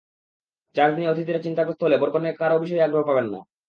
Charge নিয়ে অতিথিরা চিন্তাগ্রস্ত হলে বর-কনে কারও বিষয়েই আগ্রহ পাবেন না।